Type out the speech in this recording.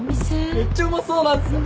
めっちゃうまそうなんすよ。